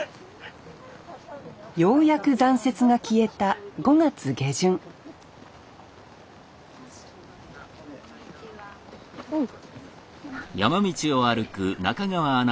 ようやく残雪が消えた５月下旬おう。